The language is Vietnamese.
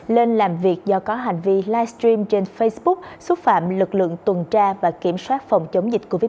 lên làm việc do có hành vi livestream trên facebook xúc phạm lực lượng tuần tra và kiểm soát phòng chống dịch covid một mươi chín